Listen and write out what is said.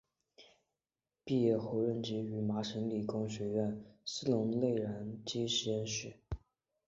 毕业后任职于麻省理工学院斯龙内燃机实验室。